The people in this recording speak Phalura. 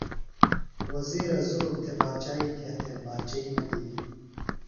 وزیرہ ظلم تھےۡ باچائی دیہہ تھےۡ باچئی نہ دِتیۡ۔